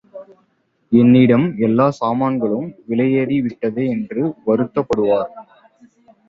என்னிடம் எல்லாச் சாமான்களும் விலையேறி விட்டதே என்று வருத்தப்படுவார்.